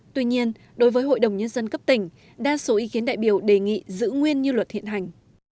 tuy nhiên đối với hội đồng nhân dân cấp tỉnh đa số ý kiến đại biểu đề nghị giữ nguyên như luật hiện hành